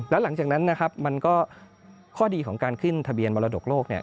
แล้วหลังจากนั้นนะครับมันก็ข้อดีของการขึ้นทะเบียนมรดกโลก